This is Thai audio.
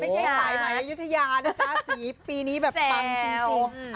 ไม่ใช่ไตมัยยุธยานะจ๊ะสีปีนี้แบบปังจริง